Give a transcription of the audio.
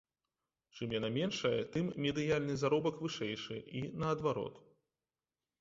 Чым яна меншая, тым медыяльны заробак вышэйшы, і наадварот.